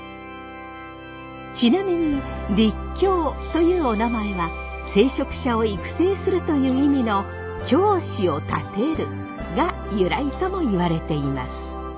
ちなみに「立教」というおなまえは聖職者を育成するという意味の「教師を立てる」が由来ともいわれています。